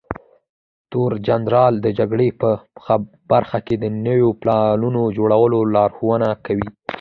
تورنجنرال د جګړې په برخه کې د نويو پلانونو جوړولو لارښونه کوي.